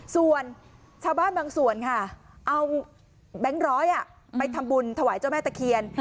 ส่วนชาวบ้านบางส่วนค่ะเอาแบงค์ร้อยไปทำบุญถวายเจ้าแม่ตะเคียน